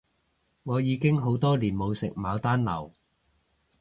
我已經好多年冇食牡丹樓